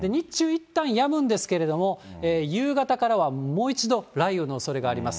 いったんやむんですけれども、夕方からはもう一度雷雨のおそれがあります。